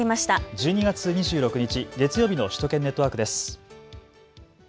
１２月２６日月曜日の首都圏ネットワークです。